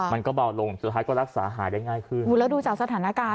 มันก็เบาลงสุดท้ายก็รักษาหายได้ง่ายขึ้นแล้วดูจากสถานการณ์